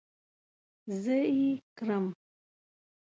زه ئې کرم